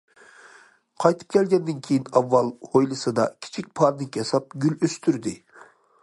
قايتىپ كەلگەندىن كېيىن ئاۋۋال ھويلىسىدا كىچىك پارنىك ياساپ، گۈل ئۆستۈردى.